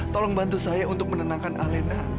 tolong bantu saya untuk menenangkan alena